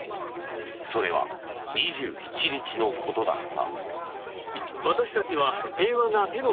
それは２７日のことだった。